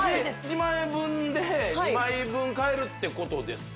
１枚分で２枚分買えるってことですか？